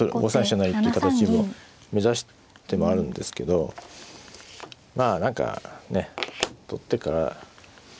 成っていう形を目指す手もあるんですけどまあ何かね取ってから。